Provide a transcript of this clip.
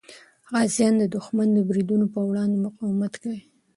غازیان د دښمن د بریدونو په وړاندې مقاومت کوي.